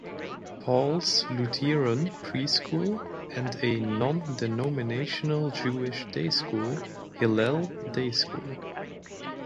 Paul's Lutheran Preschool, and a non-denominational Jewish day school, Hillel Day School.